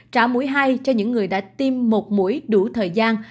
trả mũi hai cho những người đã tiêm một mũi đủ thời gian